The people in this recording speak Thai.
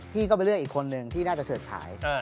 พี่ก็ไปเลือกอีกคนหนึ่งที่น่าจะเสิร์ชขาย